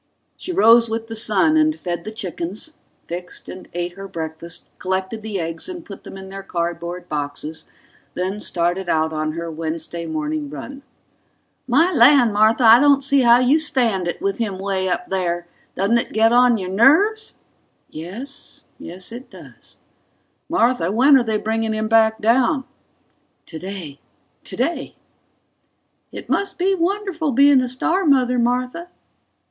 She rose with the sun and fed the chickens, fixed and ate her breakfast, collected the eggs and put them in their cardboard boxes, then started out on her Wednesday morning run. "My land, Martha, I don't see how you stand it with him way up there! Doesn't it get on your nerves?" ("Yes ... Yes, it does.") "Martha, when are they bringing him back down?" ("Today ... Today!") "It must be wonderful being a star mother, Martha."